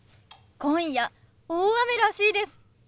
今夜大雨らしいです。